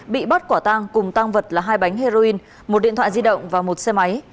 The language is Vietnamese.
bị bắt quả tang cùng tang vật là hai bánh heroin một điện thoại di động và một xe máy